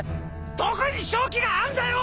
どこに勝機があんだよ！